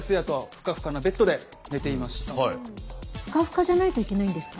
ふかふかじゃないといけないんですか？